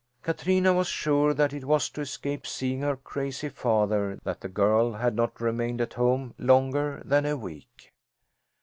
Katrina was sure that it was to escape seeing her crazy father that the girl had not remained at home longer than a week.